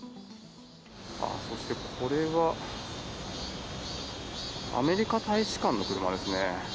そしてこれは、アメリカ大使館の車ですね。